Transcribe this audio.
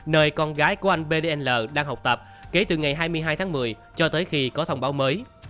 nơi con gái của anh bdn đang học tập kể từ ngày hai mươi hai tháng một mươi cho tới khi có thông báo mới